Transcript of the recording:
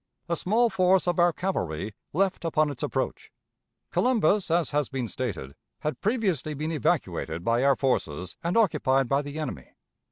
A small force of our cavalry left upon its approach. Columbus, as has been stated, had previously been evacuated by our forces and occupied by the enemy.